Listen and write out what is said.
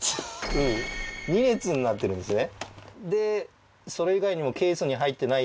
うん２列になってるんですね